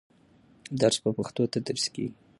درس په پښتو تدریس کېږي.